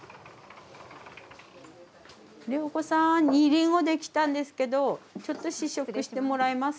良子さん煮りんごできたんですけどちょっと試食してもらえますか？